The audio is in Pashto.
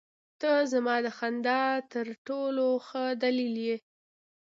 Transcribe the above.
• ته زما د خندا تر ټولو ښه دلیل یې.